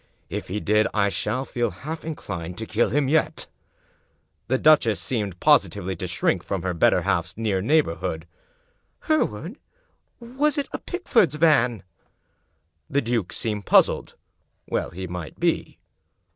If he did, I shall feel half inclined to kill him yet." The duchess seemed positively to shrink from her better half s near neighborhood. " Hereward, was it a Pickford's van?^ The duke seemed puzzled. Well he might be.